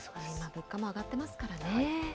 物価も上がってますからね。